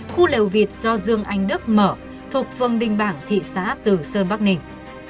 khu lều vịt do dương anh đức mở thuộc phương đinh bảng thị xã từ sơn bắc ninh